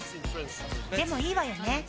でもいいわよね。